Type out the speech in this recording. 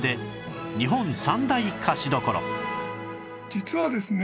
実はですね